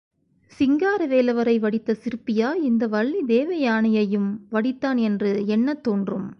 சிங்கார வேலவரை வடித்த சிற்பியா இந்த வள்ளி தேவயானையையும் வடித்தான் என்று எண்ணத் தோன்றும்.